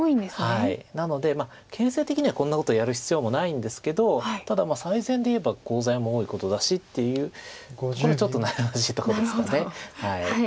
なので形勢的にはこんなことやる必要もないんですけどただ最善で言えばコウ材も多いことだしっていうとこでちょっと悩ましいとこですか。